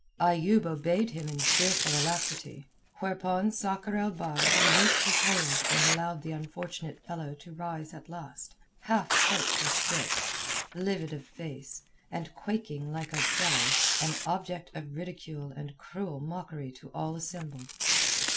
Ayoub obeyed him in fearful alacrity, whereupon Sakr el Bahr released his hold and allowed the unfortunate fellow to rise at last, half choked with dirt, livid of face, and quaking like a jelly, an object of ridicule and cruel mockery to all assembled.